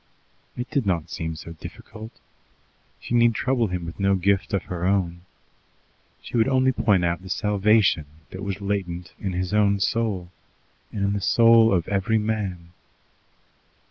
It did not seem so difficult. She need trouble him with no gift of her own. She would only point out the salvation that was latent in his own soul, and in the soul of every man.